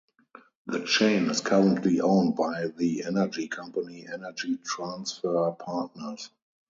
The chain is currently owned by the energy company Energy Transfer Partners.